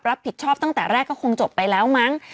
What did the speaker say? รับผิดชอบตั้งแต่แรกก็คงจบไปแล้วมั้ง